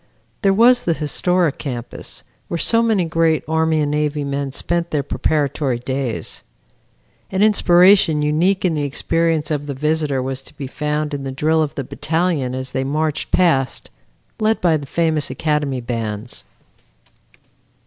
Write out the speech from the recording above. There was the historic campus, where so many great Army and Navy men spent their preparatory days. An inspiration unique in the experience of the visitor was to be found in the drill of the battalion as they marched past, led by the famous academy bands.